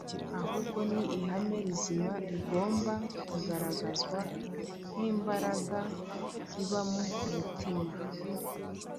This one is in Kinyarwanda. ahubwo ni ihame rizima rigomba kugaragazwa nk’imbaraga iba mu mutima.